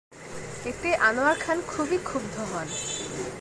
এতে আনোয়ার খান খুবই ক্ষুব্ধ হন।